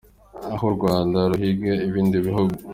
Aho u Rwanda ruhiga ibindi bihugu.